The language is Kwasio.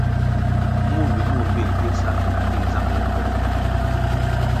Mur mbpi mur bir gigsa ñā dig zangʼle pe koh.